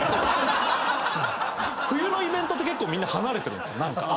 冬のイベントって結構みんな離れてるんです。